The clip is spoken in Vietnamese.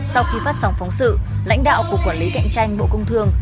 sau khi phát sóng phóng sự lãnh đạo cục quản lý cạnh tranh bộ công thương đã chủ động lưu ý